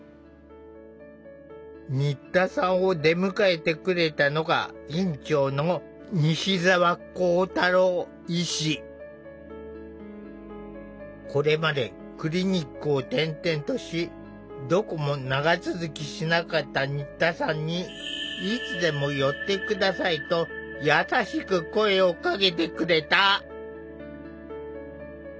新田さんを出迎えてくれたのが院長のこれまでクリニックを転々としどこも長続きしなかった新田さんにと優しく声をかけてくれた。